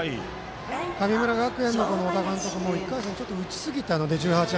神村学園の小田監督も１回戦打ちすぎたのでね。